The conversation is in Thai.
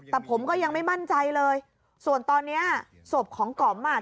แต่ผมก็ยังไม่มั่นใจเลยส่วนตอนเนี้ยศพของก๋อมอ่ะ